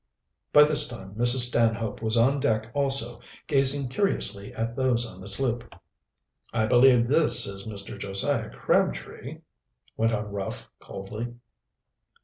By this time Mrs. Stanhope was on deck also, gazing curiously at those on the sloop. "I believe this is Mr. Josiah Crabtree?" went on Ruff coldly.